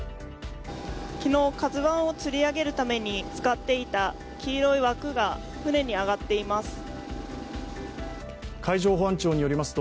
昨日、「ＫＡＺＵⅠ」をつり上げるために使っていた黄色い枠が船に上がっています。